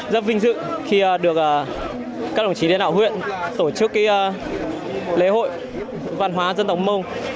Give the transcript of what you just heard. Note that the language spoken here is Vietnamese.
rất vinh dự khi được các đồng chí lãnh đạo huyện tổ chức lễ hội văn hóa dân tộc mông